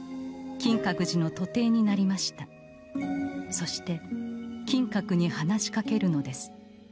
そして金閣に話しかけるのです